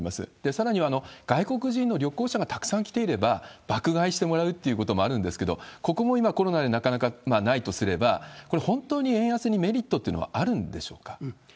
さらには、外国人の旅行者がたくさん来ていれば、爆買いしてもらうってこともあるんですけど、ここも今、コロナでなかなかないとすれば、これ、本当に円安にメリットというのはあるんでしょうか？